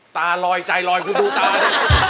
ตารอยใจรอยคือดูตาด้วย